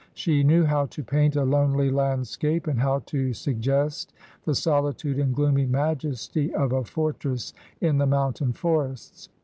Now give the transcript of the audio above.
She knew how to paint a lonely landscape, and how to suggest the solitude and gloomy majesty of a fortress in the mountain forests.